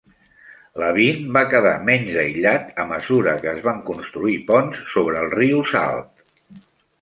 Laveen va quedar menys aïllat a mesura que es van construir ponts sobre el riu Salt.